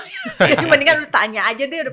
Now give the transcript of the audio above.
jadi mendingan tanya aja deh